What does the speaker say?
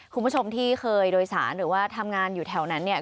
คุณผู้ชมที่เคยโดยสารหรือว่าทำงานอยู่แถวนั้นเนี่ย